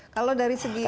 kalau dari segi riset